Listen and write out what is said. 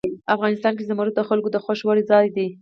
افغانستان کې زمرد د خلکو د خوښې وړ ځای دی.